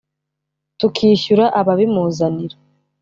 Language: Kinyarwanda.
tukishyura ababimuzanira